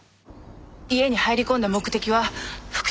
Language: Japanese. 家に入り込んだ目的は復讐でしょうか？